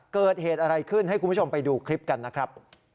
เกิดเหตุอะไรขึ้นให้คุณผู้ชมไปดูคลิปกันนะครับ